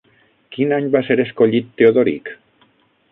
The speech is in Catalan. Quin any va ser escollit Teodoric?